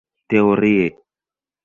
teorie